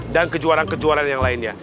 dan kejuaraan kejuaraan yang lainnya